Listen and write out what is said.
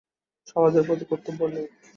সমাজের প্রতি কর্তব্য নেই?